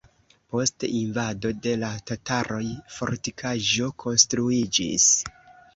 Post invado de la tataroj fortikaĵo konstruiĝis.